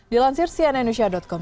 dilansir cnn indonesia com